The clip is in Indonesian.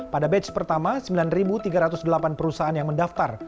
pada batch pertama sembilan tiga ratus delapan perusahaan yang mendaftar